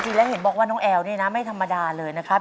เห็นแล้วเห็นบอกว่าน้องแอลนี่นะไม่ธรรมดาเลยนะครับ